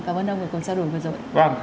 cảm ơn ông